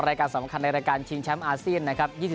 รายการสำคัญในรายการชิงแชมป์อาเซียนนะครับ